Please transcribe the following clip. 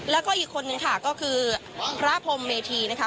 แล้วก็อีกคนนึงค่ะก็คือพระพรมเมธีนะคะ